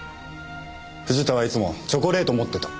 藤田はいつもチョコレートを持ってた。